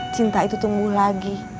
cinta itu tumbuh lagi